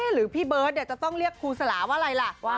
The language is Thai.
หรือพี่เบิร์ตจะต้องเรียกครูสลาว่าอะไรล่ะ